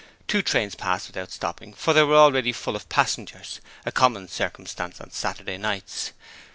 Two trains passed without stopping, for they were already full of passengers, a common circumstance on Saturday nights.